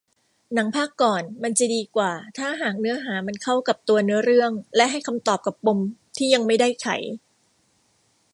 หนังภาคก่อนมันจะดีกว่าถ้าหากเนื้อหามันเข้ากับตัวเนื้อเรื่องและให้คำตอบกับปมที่ยังไม่ได้ไข